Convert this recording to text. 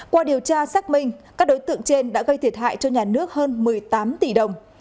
qua điều tra xác minh các đối tượng trên đã gây thiệt hại cho nhà nước hơn một mươi tám tỷ đồng